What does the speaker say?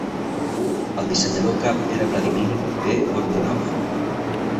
El dissenyador cap era Vladimir P. Gorbunov.